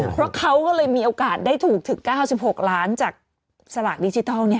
เพราะเขาก็เลยมีโอกาสได้ถูกถึง๙๖ล้านจากสลากดิจิทัล